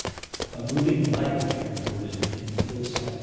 A moving light is reported in _Phil.